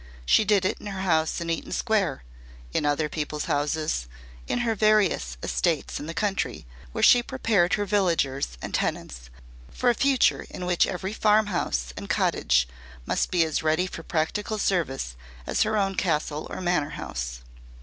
She did it in her house in Eaton Square in other people's houses, in her various estates in the country, where she prepared her villagers and tenants for a future in which every farm house and cottage must be as ready for practical service as her own castle or manor house.